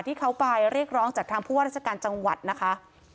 ที่เขาไปเรียกร้องจากทางผู้ว่าราชการจังหวัดนะคะ